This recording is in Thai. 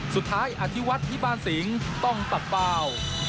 สุดท้ายอธิวัตรที่บ้านสิงห์ต้องตัดเปล่า